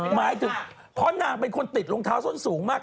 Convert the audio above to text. หมายถึงเพราะนางเป็นคนติดรองเท้าส้นสูงมาก